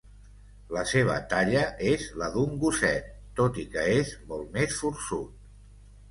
La seva talla és la d'un gosset, tot i que és molt més forçut.